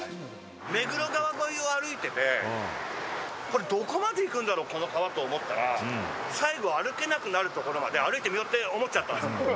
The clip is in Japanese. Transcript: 目黒川沿いを歩いてて、これ、どこまで行くんだろう、この川と思ったら、最後、歩けなくなる所まで歩いてみようって思っちゃったんです。